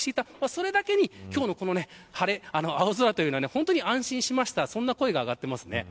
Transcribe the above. それだけに今日のこの晴れ青空は本当に安心しましたという声が上がっています。